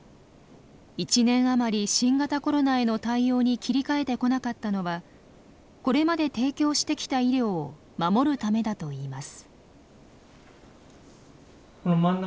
１年あまり新型コロナへの対応に切り替えてこなかったのはこれまで提供してきた医療を守るためだといいます。